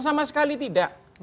sama sekali tidak